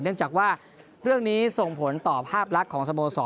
เนื่องจากว่าเรื่องนี้ส่งผลต่อภาพลักษณ์ของสโมสร